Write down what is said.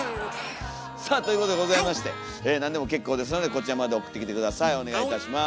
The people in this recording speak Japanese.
さあということでございまして何でも結構ですのでこちらまで送ってきて下さいお願いいたします。